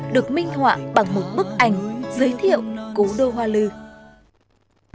được minh họa bằng một bức ảnh giới thiệu cố đô hoa lư